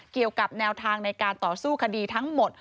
เกี่ยวกับแนวทางในการต่อสู้คดีทั้งหมด